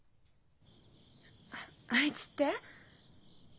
あ「あいつ」って？